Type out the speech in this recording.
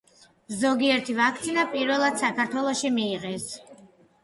ზოგიერთი ვაქცინა პირველად საქართველოში მიიღეს.